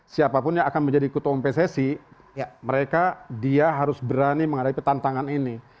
siapapun yang akan menjadi ketua umum pssi mereka dia harus berani menghadapi tantangan ini